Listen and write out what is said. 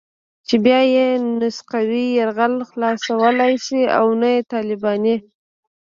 چې بيا يې نه سقوي يرغل خلاصولای شي او نه طالباني.